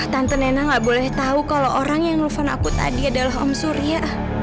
tante nena gak boleh tahu kalau orang yang nelfon aku tadi adalah om surya